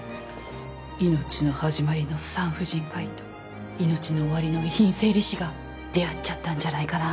命の始まりの産婦人科医と命の終わりの遺品整理士が出会っちゃったんじゃないかな？